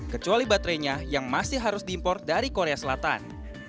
kecuali baterainya yang masih harus diimpor dari korea selatan